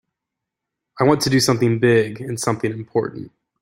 I want to do something big and something important.